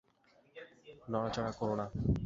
নড়াচড়া কোরো না!